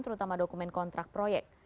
terutama dokumen kontrak proyek